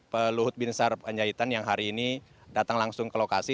peluhut binsar penjahitan yang hari ini datang langsung ke lokasi